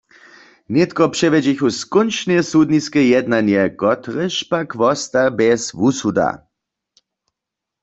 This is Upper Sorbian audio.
Nětko přewjedźechu skónčnje sudniske jednanje, kotrež pak wosta bjez wusuda.